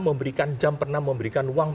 memberikan jam pernah memberikan uang